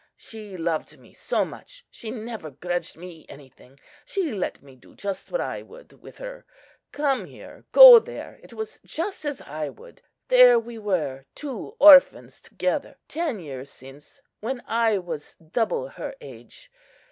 She loved me so much, she never grudged me anything; she let me do just what I would with her. Come here, go there,—it was just as I would. There we were, two orphans together, ten years since, when I was double her age.